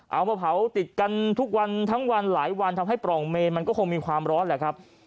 เอามาเผาติดกันทุกวันทั้งวันหลายวันทำให้ปล่องเมนมันก็คงมีความร้อนแหละครับ